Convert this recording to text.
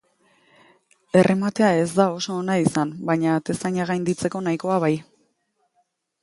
Errematea ez da oso ona izan, baina atezaina gainditzeko nahikoa bai.